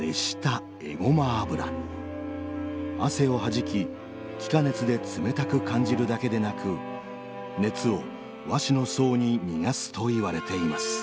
汗をはじき気化熱で冷たく感じるだけでなく熱を和紙の層に逃がすといわれています。